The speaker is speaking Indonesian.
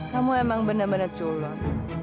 kamu emang benar benar culuk